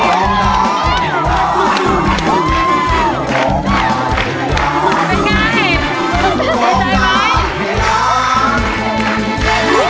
ก็แจ้วไว้เต๋าก่อน